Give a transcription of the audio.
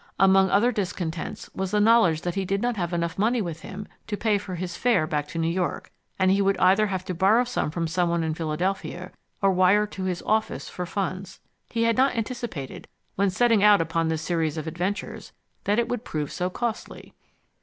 Among other discontents was the knowledge that he did not have enough money with him to pay his fare back to New York, and he would either have to borrow from someone in Philadelphia or wire to his office for funds. He had not anticipated, when setting out upon this series of adventures, that it would prove so costly.